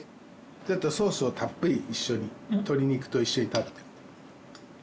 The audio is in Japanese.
ちょっとソースをたっぷり一緒に鶏肉と一緒に食べてみてください。